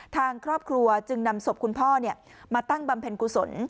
ทางครอบครัวจึงนำศพคุณพ่อมาตั้งบำเพ็ญกุศล